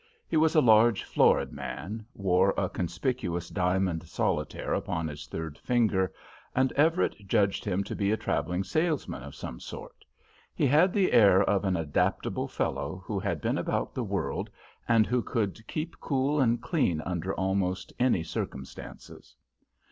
He was a large, florid man, wore a conspicuous diamond solitaire upon his third finger, and Everett judged him to be a travelling salesman of some sort. He had the air of an adaptable fellow who had been about the world and who could keep cool and clean under almost any circumstances.